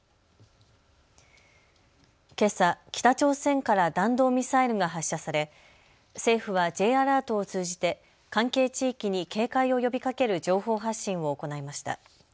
けさ、北朝鮮から弾道ミサイルが発射され政府はＪアラートを通じて関係地域に警戒を呼びかける情報発信を行いました。